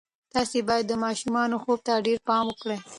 تاسې باید د ماشومانو خوب ته ډېر پام وکړئ.